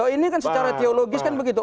ini kan secara teologis kan begitu